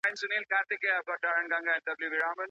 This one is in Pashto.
دا پرمختللي ماشینونه چيري سته؟